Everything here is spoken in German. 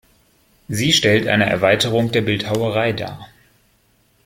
Sie stellt eine Erweiterung der Bildhauerei dar.